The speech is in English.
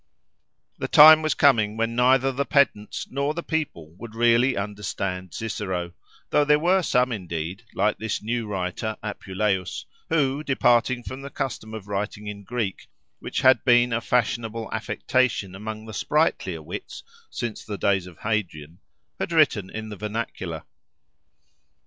The time was coming when neither the pedants nor the people would really understand Cicero; though there were some indeed, like this new writer, Apuleius, who, departing from the custom of writing in Greek, which had been a fashionable affectation among the sprightlier wits since the days of Hadrian, had written in the vernacular.